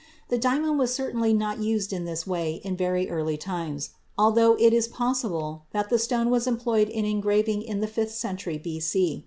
The diamond was certainly not used in this way in very early times, although it is possible that the stone was employed in engraving in the fifth century B.C.